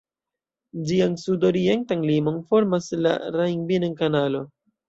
Ĝian sudorientan limon formas la Rhein-Binnen-Kanalo.